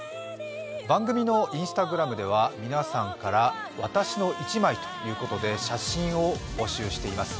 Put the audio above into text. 番組のＩｎｓｔａｇｒａｍでは皆さんから私の一枚ということで写真を募集しています。